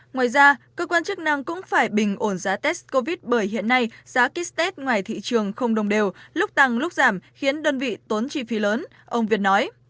ngoài ra cơ quan chức năng cũng phải bình ổn giá test covid bởi hiện nay giá kích tết ngoài thị trường không đồng đều lúc tăng lúc giảm khiến đơn vị tốn chi phí lớn ông việt nói